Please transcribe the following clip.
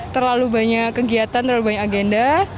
terlalu banyak kegiatan terlalu banyak agenda